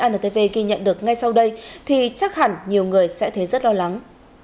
antv ghi nhận được ngay sau đây thì chắc hẳn nhiều người sẽ thấy rất lo lắng